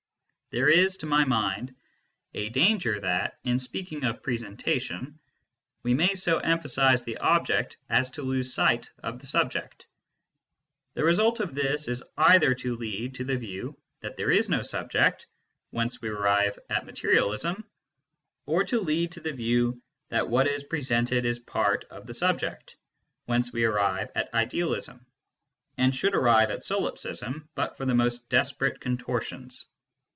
There is, to my mind, a danger that, in speaking of presentation, we may so emphasis the object as to lose sight of the sub ject. The result of this is either to lead to the view that there is no subject, whence we arrive at materialism ; or to lead to the view that what is presented is part of the subject, whence we arrive at idealism, and should arrive at solipsism but for the most desperate contortions.